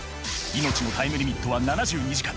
命のタイムリミットは７２時間。